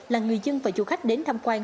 là người dân và du khách đến tham quan